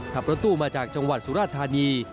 ขับรถตู้มาจากจังหวัดสุราธานี